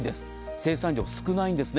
生産量が少ないんですね。